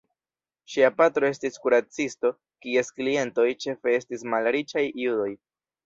Ŝia patro estis kuracisto kies klientoj ĉefe estis malriĉaj judoj.